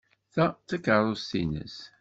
Ta d takeṛṛust-nnes.